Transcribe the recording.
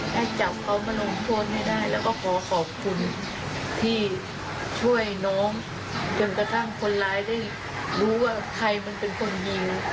แก่เจาะเหมามาลงโทษให้ได้และขอบคุณที่ช่วยน้องจนกระทั่งคนล้ายได้รู้ว่าใครมันเป็นคนมี